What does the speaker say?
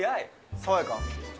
爽やか。